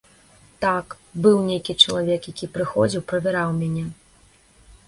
Так, быў нейкі чалавек, які прыходзіў, правяраў мяне.